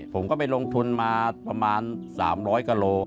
ผมก็ไปลงทุนมาประมาณ๓๐๐กะโล